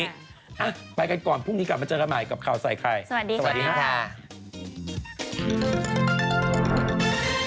เตรียมเตรียมเตรียมเตรียม